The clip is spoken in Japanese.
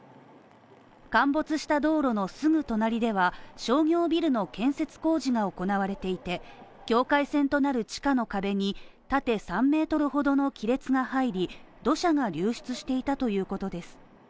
陥没した道路のすぐ隣では商業ビルの建設工事が行われていて境界線となる地下の壁に縦３ｍほどの亀裂が入り、土砂が流出していたということです。